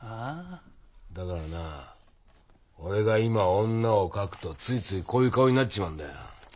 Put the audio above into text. だからな俺が今女を描くとついついこういう顔になっちまうんだよ。